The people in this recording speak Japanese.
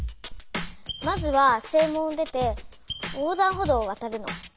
まずは正門を出て横断歩道をわたるの。